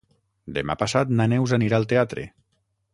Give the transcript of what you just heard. Demà passat na Neus anirà al teatre.